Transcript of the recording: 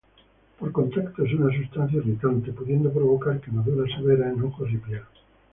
Por contacto es una sustancia irritante, pudiendo provocar quemaduras severas en ojos y piel.